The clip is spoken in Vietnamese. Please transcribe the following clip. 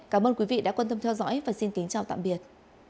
cảm ơn quý vị đã quan tâm theo dõi và xin kính chào tạm biệt